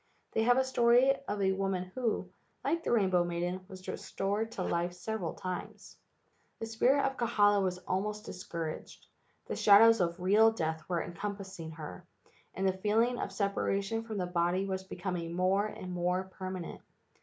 They have a story of a woman who, like the rainbow maiden, was restored to life several times. The spirit of Kahala was almost discouraged. The shadows of real death were encompassing her, and the feeling of separation from the body was becoming more and more permanent.